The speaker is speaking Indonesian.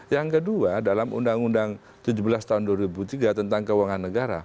yang kedua dalam undang undang tujuh belas tahun dua ribu tiga tentang keuangan negara